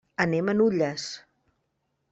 Anem a Nulles.